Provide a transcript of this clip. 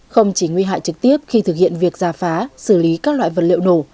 không chỉ nguy hại trực tiếp khi thực hiện việc giả phá xử lý các loại vật liệu nổ